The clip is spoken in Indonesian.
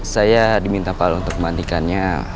saya diminta pak al untuk membandingkannya